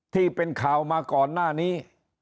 ที่เป็นข่าวมาก่อนหน้านี้